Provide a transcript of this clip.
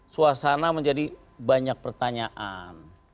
suasana menjadi banyak pertanyaan